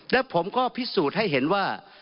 และผมก็พิสูจน์ให้เห็นว่า